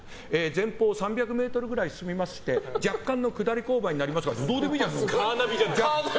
前方３００ｍくらい進みまして若干の下り勾配になりますとかどうでもいいじゃん、それ。